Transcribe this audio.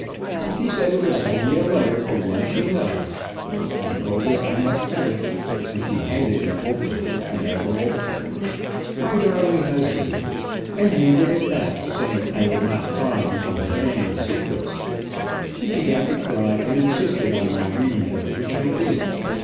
She said it was only a letter to one she loved. I told her I must have it, and she handed it over. I read, "My darling husband," and handed it back, saying I would not pry into her family secrets. She began to cry, and insisted on my reading it, which I did.